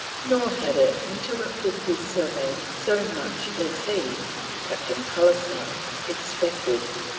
Nor had it interrupted his survey so much as he (Captain Pallisser) expected.